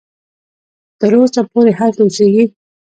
تر اوسه پوري هلته اوسیږي.